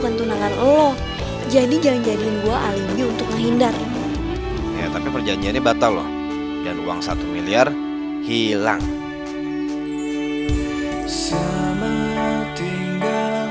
kamu bakal kehilangan kekuasaan atas perusahaan yang kamu pimpin sekarang